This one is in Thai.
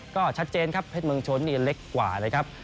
ก็ชัดเจนครับเพชรเมืองชนนี่เล็กกว่าเลยครับ